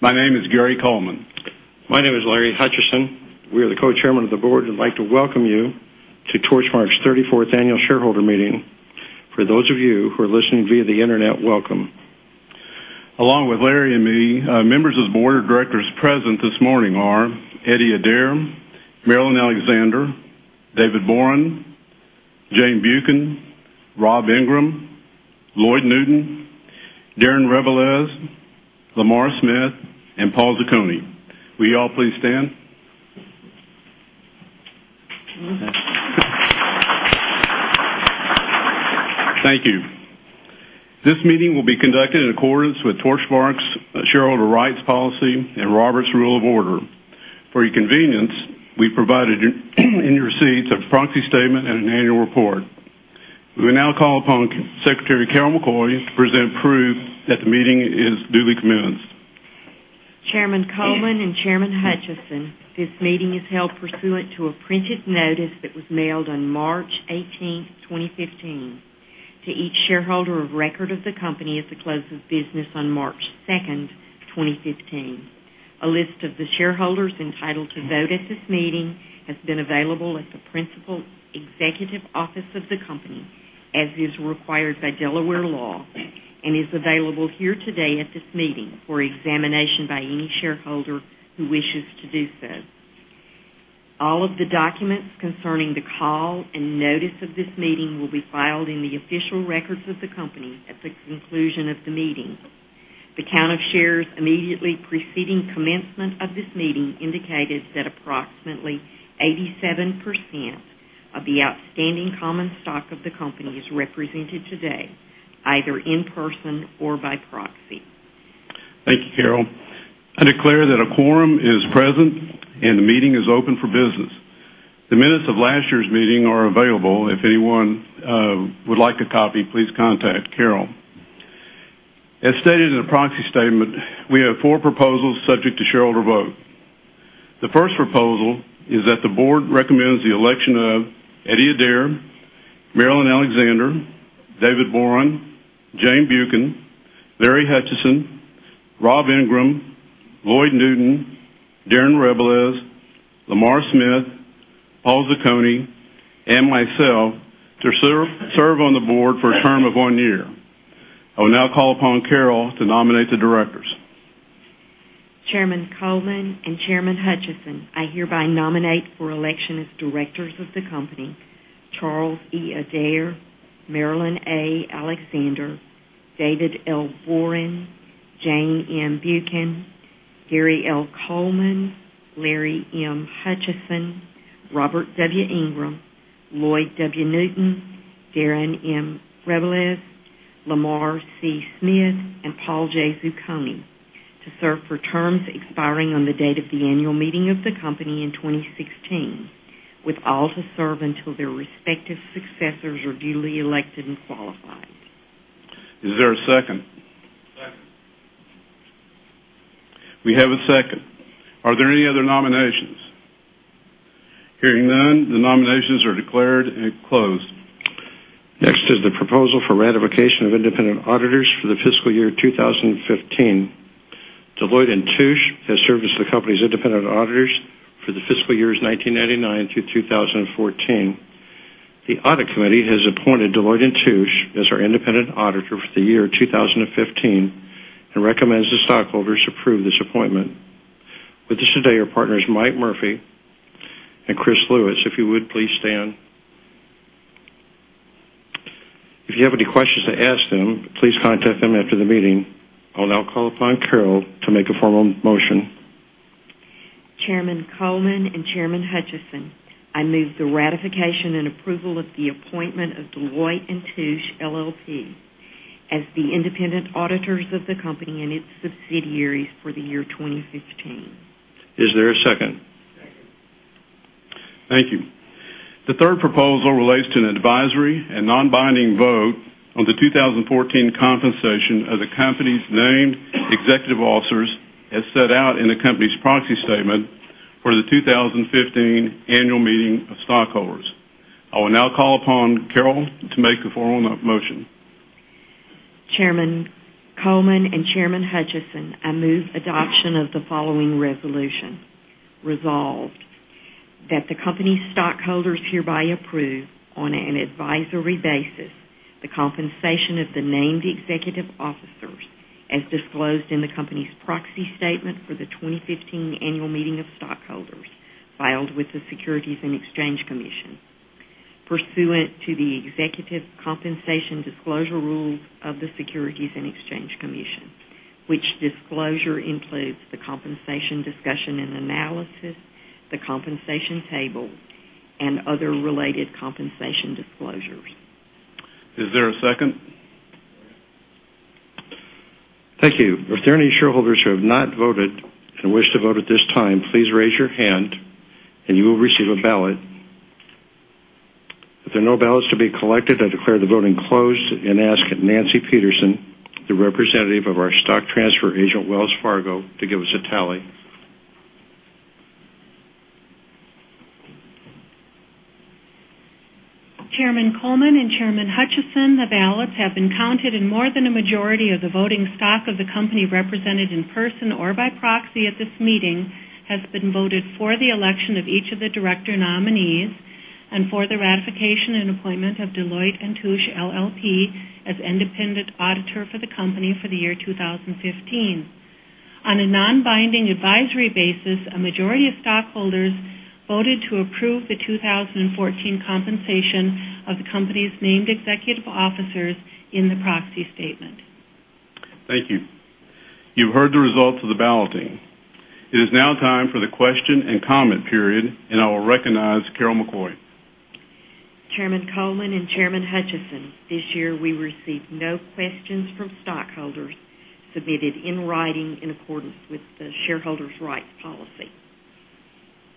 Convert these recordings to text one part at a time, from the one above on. My name is Gary Coleman. My name is Larry Hutchison. We are the co-chairmen of the board and would like to welcome you to Torchmark's 34th annual shareholder meeting. For those of you who are listening via the internet, welcome. Along with Larry and me, members of the board of directors present this morning are Eddie Adair, Marilyn Alexander, David Boren, Jane Buchan, Rob Ingram, Lloyd Newton, Darren Rebelez, Lamar Smith, and Paul Zucconi. Will you all please stand? Thank you. This meeting will be conducted in accordance with Torchmark's shareholder rights policy and Robert's Rules of Order. For your convenience, we provided in your seats a proxy statement and an annual report. We will now call upon Secretary Carol McCoy to present proof that the meeting is duly commenced. Chairman Coleman and Chairman Hutchison, this meeting is held pursuant to a printed notice that was mailed on March 18th, 2015, to each shareholder of record of the company at the close of business on March 2nd, 2015. A list of the shareholders entitled to vote at this meeting has been available at the principal executive office of the company, as is required by Delaware law, and is available here today at this meeting for examination by any shareholder who wishes to do so. All of the documents concerning the call and notice of this meeting will be filed in the official records of the company at the conclusion of the meeting. The count of shares immediately preceding commencement of this meeting indicated that approximately 87% of the outstanding common stock of the company is represented today, either in person or by proxy. Thank you, Carol. I declare that a quorum is present, and the meeting is open for business. The minutes of last year's meeting are available. If anyone would like a copy, please contact Carol. As stated in the proxy statement, we have four proposals subject to shareholder vote. The first proposal is that the board recommends the election of Eddie Adair, Marilyn Alexander, David Boren, Jane Buchan, Larry Hutchison, Rob Ingram, Lloyd Newton, Darren Rebelez, Lamar Smith, Paul Zucconi, and myself to serve on the board for a term of one year. I will now call upon Carol to nominate the directors. Chairman Coleman and Chairman Hutchison, I hereby nominate for election as directors of the company, Charles E. Adair, Marilyn A. Alexander, David L. Boren, Jane M. Buchan, Gary L. Coleman, Larry M. Hutchison, Robert W. Ingram, Lloyd W. Newton, Darren M. Rebelez, Lamar C. Smith, and Paul J. Zucconi, to serve for terms expiring on the date of the annual meeting of the company in 2016, with all to serve until their respective successors are duly elected and qualified. Is there a second? Second. We have a second. Are there any other nominations? Hearing none, the nominations are declared and closed. Next is the proposal for ratification of independent auditors for the fiscal year 2015. Deloitte & Touche has served as the company's independent auditors for the fiscal years 1999 through 2014. The audit committee has appointed Deloitte & Touche as our independent auditor for the year 2015 and recommends the stockholders approve this appointment. With us today are partners Mike Murphy and Chris Lewis. If you would, please stand. If you have any questions to ask them, please contact them after the meeting. I'll now call upon Carol to make a formal motion. Chairman Coleman and Chairman Hutchison, I move the ratification and approval of the appointment of Deloitte & Touche LLP, as the independent auditors of the company and its subsidiaries for the year 2015. Is there a second? Second. Thank you. The third proposal relates to an advisory and non-binding vote on the 2014 compensation of the company's named executive officers, as set out in the company's proxy statement for the 2015 annual meeting of stockholders. I will now call upon Carol to make a formal motion. Chairman Coleman and Chairman Hutchison, I move adoption of the following resolution. Resolved that the company's stockholders hereby approve, on an advisory basis, the compensation of the named executive officers as disclosed in the company's proxy statement for the 2015 annual meeting of stockholders filed with the Securities and Exchange Commission pursuant to the executive compensation disclosure rules of the Securities and Exchange Commission, which disclosure includes the compensation discussion and analysis, the compensation table, and other related compensation disclosures. Is there a second? Second. Thank you. If there are any shareholders who have not voted and wish to vote at this time, please raise your hand, and you will receive a ballot. If there are no ballots to be collected, I declare the voting closed and ask Nancy Petersen, the representative of our stock transfer agent, Wells Fargo, to give us a tally. Chairman Coleman and Chairman Hutchison, the ballots have been counted, more than a majority of the voting stock of the company represented in person or by proxy at this meeting has been voted for the election of each of the director nominees and for the ratification and appointment of Deloitte & Touche LLP as independent auditor for the company for the year 2015. On a non-binding advisory basis, a majority of stockholders voted to approve the 2014 compensation of the company's named executive officers in the proxy statement. Thank you. You've heard the results of the balloting. It is now time for the question and comment period, I will recognize Carol McCoy. Chairman Coleman and Chairman Hutchison, this year, we received no questions from stockholders submitted in writing in accordance with the shareholders' rights policy.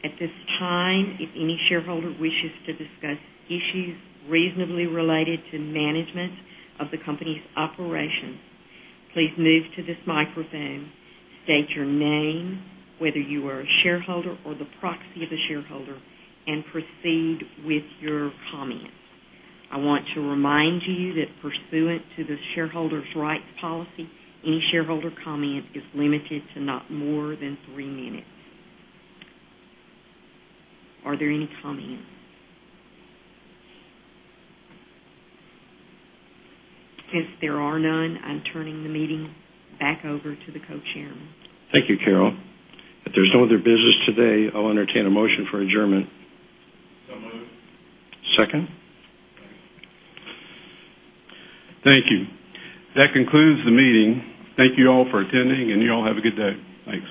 At this time, if any shareholder wishes to discuss issues reasonably related to management of the company's operations, please move to this microphone, state your name, whether you are a shareholder or the proxy of a shareholder, proceed with your comment. I want to remind you that pursuant to the shareholder's rights policy, any shareholder comment is limited to not more than three minutes. Are there any comments? Since there are none, I'm turning the meeting back over to the co-chairmen. Thank you, Carol. If there's no other business today, I'll entertain a motion for adjournment. Moved. Second? Thank you. That concludes the meeting. Thank you all for attending, and you all have a good day. Thanks.